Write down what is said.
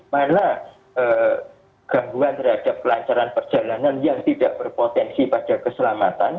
mana gangguan terhadap kelancaran perjalanan yang tidak berpotensi pada keselamatan